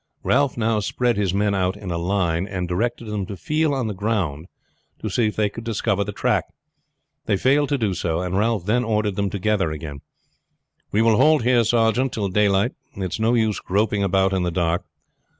Ralph now spread his men out in a line and directed them to feel on the ground to see if they could discover the track. They failed to do so, and Ralph then ordered them together again. "We will halt here, sergeant, till daylight. It's no use groping about in the dark.